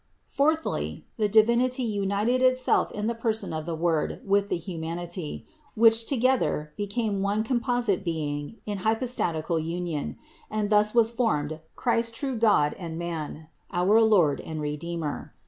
Fourthly, the Divinity united Itself in the Person of the Word with the humanity, which together became one composite being in hypostatical union ; and thus was formed Christ true God and Man, our Lord and Re deemer.